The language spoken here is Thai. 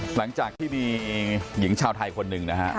หลังจากที่มีหญิงชาวไทยคนหนึ่งนะฮะ